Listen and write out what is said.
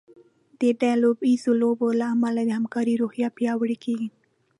د ډله ییزو لوبو له امله د همکارۍ روحیه پیاوړې کیږي.